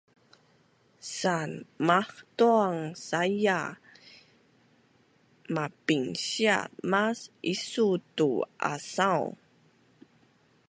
San mahtuang saia mapinsia mas isuu tu asaun